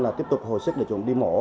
là tiếp tục hồi sức để chúng đi mổ